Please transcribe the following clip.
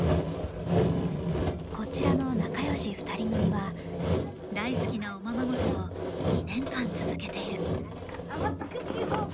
こちらの仲よし２人組は大好きな、おままごとを２年間続けている。